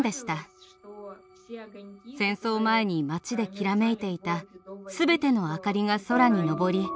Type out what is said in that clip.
戦争前に町できらめいていたすべての明かりが空に昇り